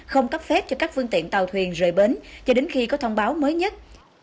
không cấp phép cho các phương tiện tàu thuyền rời bến cho đến khi có thông báo mới nhất